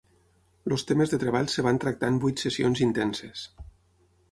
Els temes de treball es van tractar en vuit sessions intenses.